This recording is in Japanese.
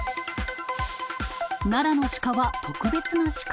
奈良のシカは特別なシカ。